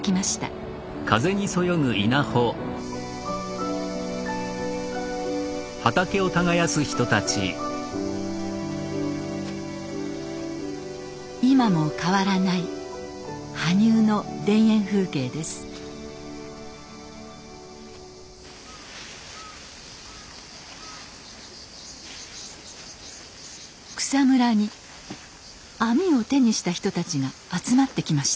草むらに網を手にした人たちが集まってきました。